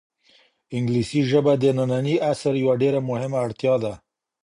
انګلیسي ژبه د ننني عصر یوه ډېره مهمه اړتیا ده.